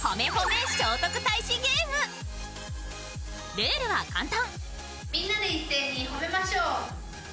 ルールは簡単。